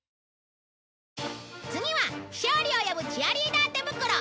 次は「勝利を呼ぶチアリーダー手ぶくろ」。